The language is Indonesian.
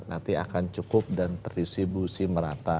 nanti akan cukup dan terdistribusi merata